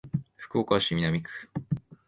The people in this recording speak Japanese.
福岡市南区